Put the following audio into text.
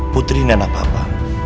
putri ini anak papa